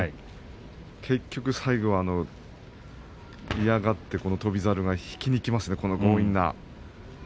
結局、最後嫌がって翔猿が引きにいきますね強引な。